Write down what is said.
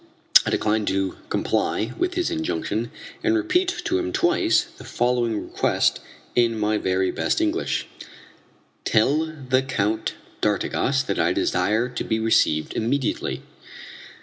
I decline to comply with his injunction, and repeat to him twice the following request in my very best English: "Tell the Count d'Artigas that I desire to be received immediately."